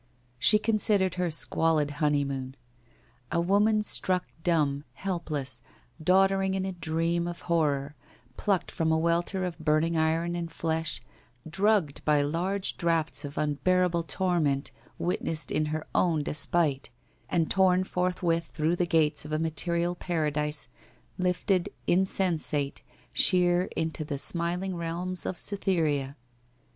She considered her squalid honeymoon ! A woman struck dumb, helpless, doddering in a dream of horror, plucked from a welter of burning iron and flesh, drugged by large draughts of unbearable torment witnessed in her own de spite, and torn forthwith through the gates of a material paradise, lifted, insensate, sheer into the smiling realms of Cythera!